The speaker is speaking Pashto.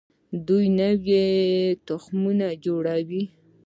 دوی نوي تخمونه جوړوي.